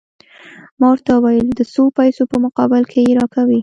ما ورته وویل: د څو پیسو په مقابل کې يې راکوې؟